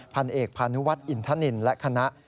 พันเอกพานุวัฒนอินทนินและคณะ